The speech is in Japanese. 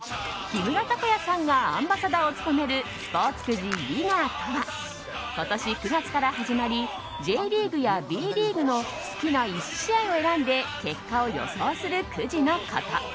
木村拓哉さんがアンバサダーを務めるスポーツくじＷＩＮＮＥＲとは今年９月から始まりＪリーグやＢリーグの好きな１試合を選んで結果を予想するくじのこと。